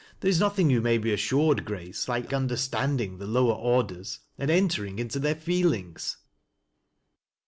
There is nothing, you may be assured, Grace, like understanding the lower orders, and entering into their feelings."